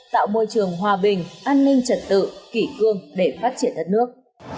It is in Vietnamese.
tạo môi trường hòa bình an ninh trật tự kỷ cương để phát triển đất nước